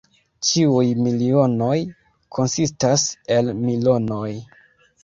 Ĉiuj milionoj konsistas el milonoj.